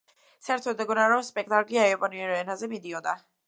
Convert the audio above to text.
საერთოდ ეგონა რომ სპექტაკლი იაპონურ ენაზე მიდიოდა.